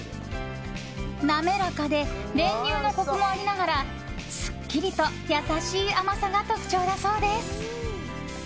滑らかで練乳のコクもありながらすっきりと優しい甘さが特徴だそうです。